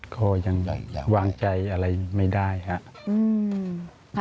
ก็ยังวางใจอะไรไม่ได้ครับ